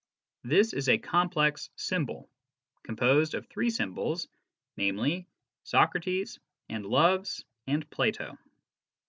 This is a complex symbol, composed of three symbols, namely " Socrates " and " loves " and " Plato."